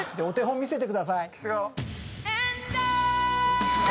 お手本見せてください。